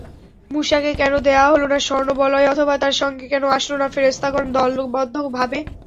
মূসাকে কেন দেয়া হল না স্বর্ণবলয় অথবা তার সংগে কেন আসল না ফেরেশতাগণ দলবদ্ধভাবে?